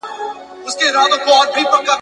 په هغه ښار کي `